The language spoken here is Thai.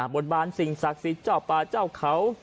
บริบาลสิงห์ศักดิ์สิทธิ์เจ้าประเจ้าเขา